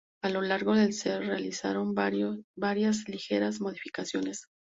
A lo largo del se realizaron varias ligeras modificaciones.